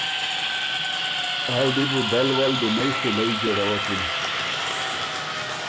آ ل دی بُو دل ول بینئ خیلئ جوړوَکِن